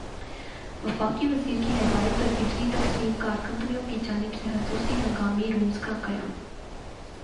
وفاقی وزیر کی ہدایت پر بجلی تقسیم کار کمپنیوں کی جانب سےخصوصی ہنگامی رومز کا قیام